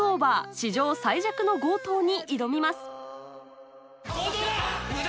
史上最弱の強盗』に挑みます強盗だ！